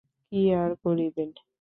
কী আর করিবেন।